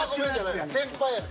先輩やで。